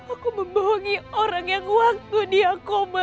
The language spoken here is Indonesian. aku membohongi orang yang waktu dia koma